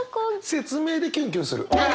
説明でキュンキュンする。